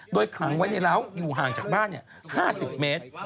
โดยขังไว้ในร้าวอยู่ห่างจากบ้าน๕๐เมตร